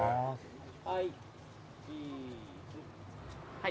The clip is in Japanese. ・はい。